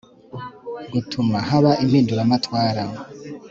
gutuma haba impinduramatwara